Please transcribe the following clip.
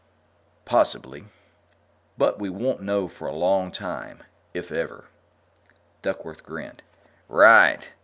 "Possibly. But we won't know for a long time if ever." Duckworth grinned. "Right.